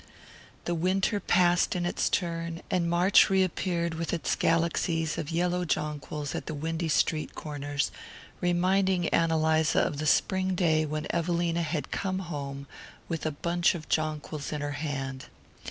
The winter passed in its turn, and March reappeared with its galaxies of yellow jonquils at the windy street corners, reminding Ann Eliza of the spring day when Evelina had come home with a bunch of jonquils in her hand.